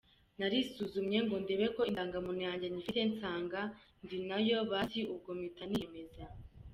Narisuzumye ngo ndebe ko indangamuntu yanjye nyifite, nsanga ndi nayo, basi ubwo mpita niyemeza.